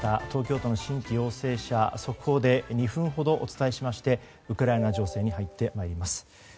東京都の新規陽性者速報で２分ほどお伝えしましてウクライナ情勢に入ってまいります。